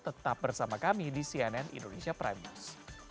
tetap bersama kami di cnn indonesia prime news